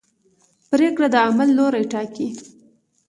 پرېکړه د عمل لوری ټاکي.